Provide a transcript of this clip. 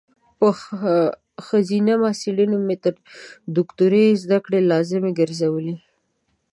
په خځینه محصلینو مې تر دوکتوری ذدکړي لازمي ګرزولي